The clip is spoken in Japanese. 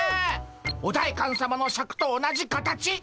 お代官さまのシャクと同じ形っ！